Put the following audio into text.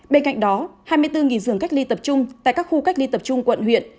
bên cạnh đó hai mươi bốn giường cách ly tập trung tại các khu cách ly tập trung quận huyện